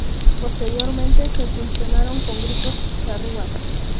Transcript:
Posteriormente se fusionaron con grupos charrúas.